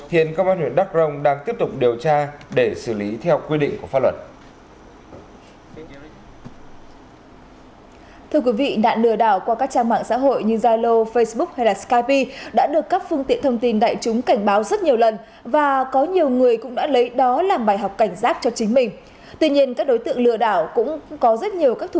hiện công an huyện đắc cơ rông đang tiếp tục điều tra để xử lý theo quy định của pháp luật